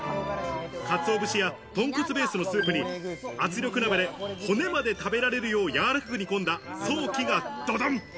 鰹節や豚骨ベースのスープに圧力鍋で骨まで食べられるよう、やわらかく煮込んだソーキがどどん！